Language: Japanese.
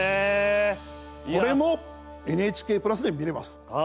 これもＮＨＫプラスで見れます。